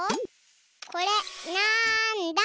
これなんだ？